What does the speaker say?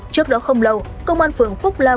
trước đó không lâu công an phường phúc la